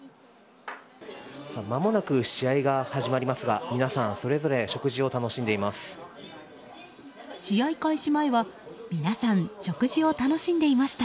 まもなく試合が始まりますが皆さんそれぞれ食事を楽しんでいます。